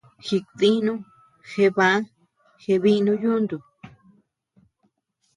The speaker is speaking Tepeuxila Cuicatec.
Jikdinu, jeé baa, jeé biinu yuntu.